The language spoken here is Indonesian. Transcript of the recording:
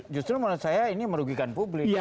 justru menurut saya ini merugikan publik